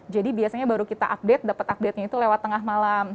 jadi biasanya baru kita update dapat update nya itu lewat tengah malam